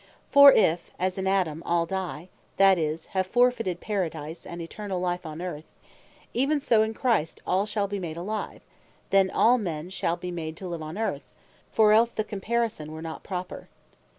For if as in Adam, all die, that is, have forfeited Paradise, and Eternall Life on Earth; even so in Christ all shall be made alive; then all men shall be made to live on Earth; for else the comparison were not proper.